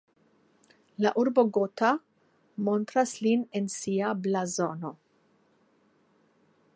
La urbo Gotha montras lin en sia blazono.